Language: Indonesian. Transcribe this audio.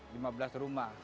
lima belas rumah